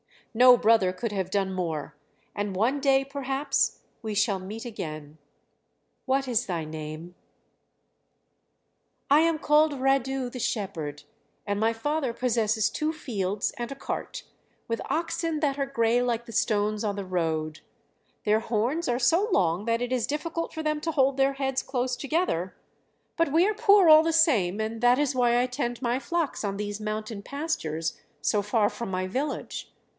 No brother could have done more; and one day, perhaps, we shall meet again. What is thy name?" "I am called Radu the shepherd, and my father possesses two fields and a cart, with oxen that are grey like the stones on the road; their horns are so long that it is difficult for them to hold their heads close together; but we are poor all the same, and that is why I tend my flocks on these mountain pastures so far from my village.